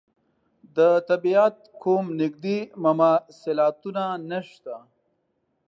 د طبعیت کوم نږدې مماثلاتونه نشته.